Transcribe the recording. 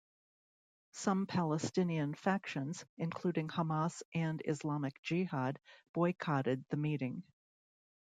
Some Palestinian factions, including Hamas and Islamic Jihad, boycotted the meeting.